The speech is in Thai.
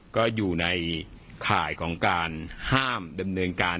ก็อยู่ในข่ายของการห้ามดำเนินการ